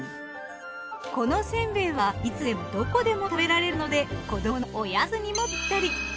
このせんべいはいつでもどこでも食べられるので子どものおやつにもピッタリ！